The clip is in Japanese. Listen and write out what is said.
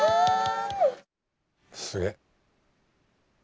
すげえ。